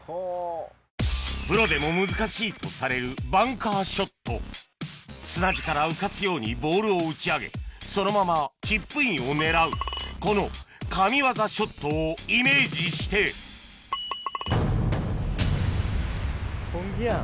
プロでも難しいとされる砂地から浮かすようにボールを打ち上げそのままチップインを狙うこの神業ショットをイメージして本気やん。